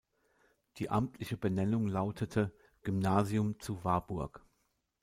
Die amtliche Benennung lautete: "„Gymnasium zu Warburg“.